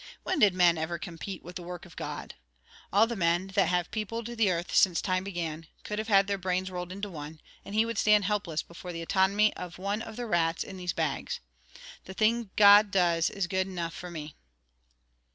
When did men ever compete with the work of God? All the men that have peopled the earth since time began could have their brains rolled into one, and he would stand helpless before the anatomy of one of the rats in these bags. The thing God does is guid enough fra me."